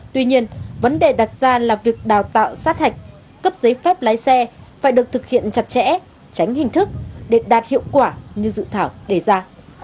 tuy nhiên vấn đề đặt ra là việc đào tạo sát hạch cấp giấy phép lái xe phải được thực hiện chặt chẽ tránh hình thức để đạt hiệu quả như dự thảo đề ra